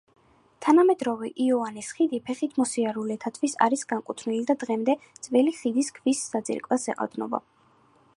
თანამედროვე იოანეს ხიდი ფეხით მოსიარულეთათვის არის განკუთვნილი და დღემდე ძველი ხიდის ქვის საძირკველს ეყრდნობა.